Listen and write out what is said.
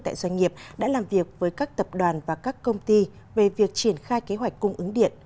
tại doanh nghiệp đã làm việc với các tập đoàn và các công ty về việc triển khai kế hoạch cung ứng điện